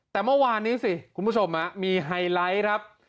แต่เมื่อวานนี้สิคุณผู้ชมมีไฮไลท์ครับ